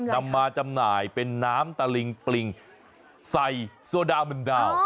นำมาจำหน่ายเป็นน้ำตะลิงปริงใส่โซดามึนดาว